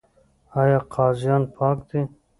آیا قاضیان پاک دي؟